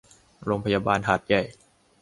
โรงพยาบาลหาดใหญ่